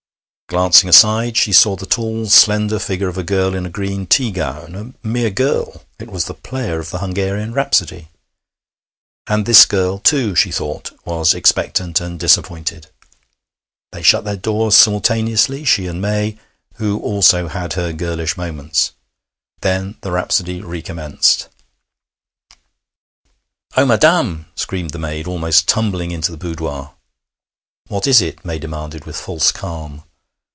Glancing aside, she saw the tall slender figure of a girl in a green tea gown a mere girl: it was the player of the Hungarian Rhapsody. And this girl, too, she thought, was expectant and disappointed! They shut their doors simultaneously, she and May, who also had her girlish moments. Then the rhapsody recommenced. 'Oh, madam!' screamed the maid, almost tumbling into the boudoir. 'What is it?' May demanded with false calm.